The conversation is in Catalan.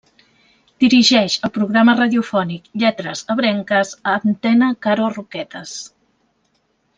Dirigeix el programa radiofònic Lletres Ebrenques a Antena Caro Roquetes.